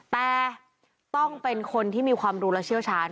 แต่ต้องเป็นคนที่มีความรู้และเชี่ยวชาญ